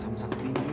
semalam bajet kebangun